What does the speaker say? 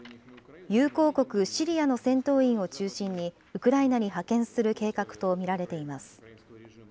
友好国、シリアの戦闘員を中心にウクライナに派遣する計画と見られています。